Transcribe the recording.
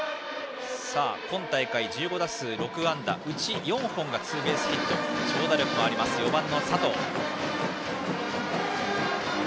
今大会１５打数６安打うち４本がツーベースヒットで長打力もあります、４番の佐藤。